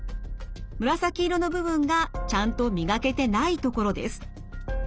紫色の部分がちゃんと磨けてない所です。